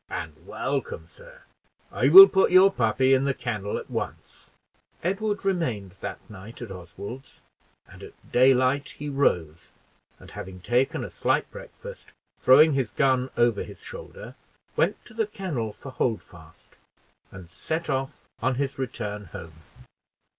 "And welcome, sir; I will put your puppy in the kennel at once." Edward remained that night at Oswald's, and at daylight he rose, and having taken a slight breakfast, throwing his gun over his shoulder, went to the kennel for Holdfast, and set off on his return home.